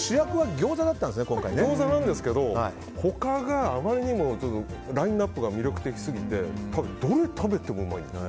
餃子なんですけど他があまりにもラインアップが魅力的過ぎてどれを食べてもうまい。